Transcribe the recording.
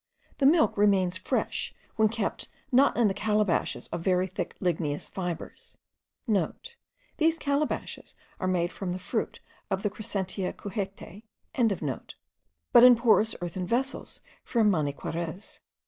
The milk remains fresh, when kept, not in the calabashes* of very thick ligneous fibres (* These calabashes are made from the fruit of the Crescentia cujete.), but in porous earthen vessels from Maniquarez.